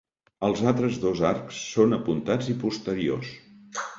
Els altres dos arcs són apuntats i posteriors.